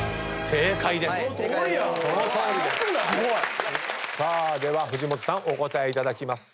さあでは藤本さんお答えいただきます。